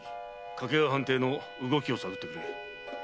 掛川藩邸の動きを探ってくれ。